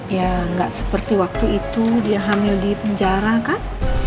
ya nggak seperti waktu itu dia hamil di penjara kan